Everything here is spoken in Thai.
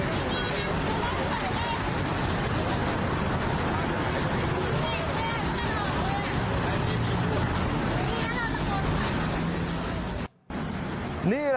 อ่าเนี้ยคนขับ